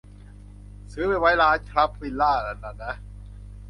ซื้อไปไว้ร้านครับวิลล่าน่ะนะ